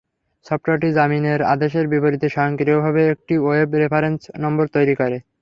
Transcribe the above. সফটওয়্যারটি জামিনের আদেশের বিপরীতে স্বয়ংক্রিয়ভাবে একটি ওয়েব রেফারেন্স নম্বর তৈরি করে।